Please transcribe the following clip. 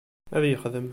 Ad yexdem.